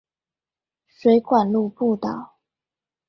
水管路步道